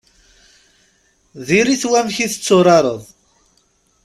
Diri-t wamek i tetturareḍ.